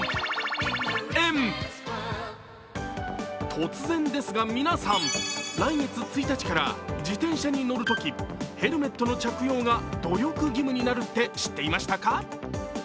突然ですが、皆さん、来月１日から自転車に乗るときヘルメットの着用が努力義務になるって知っていましたか？